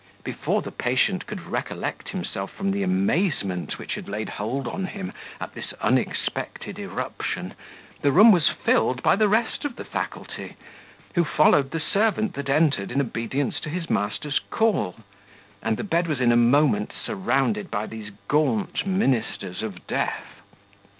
Before the patient could recollect himself from the amazement which had laid hold on him at this unexpected irruption, the room was filled by the rest of the faculty, who followed the servant that entered in obedience to his master's call; and the bed was in a moment surrounded by these gaunt ministers of death.